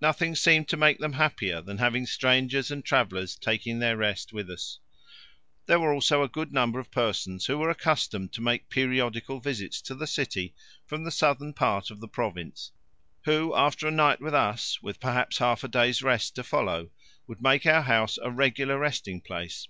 Nothing seemed to make them happier than having strangers and travellers taking their rest with us; there were also a good number of persons who were accustomed to make periodical visits to the city from the southern part of the province who, after a night with us, with perhaps half a day's rest to follow, would make our house a regular resting place.